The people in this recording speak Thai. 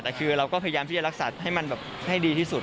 แต่คือเราก็พยายามที่จะรักษาให้มันแบบให้ดีที่สุด